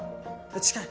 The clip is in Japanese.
近い。